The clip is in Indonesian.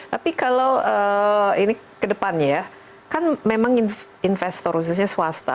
tapi kalau ini ke depannya ya kan memang investor khususnya swasta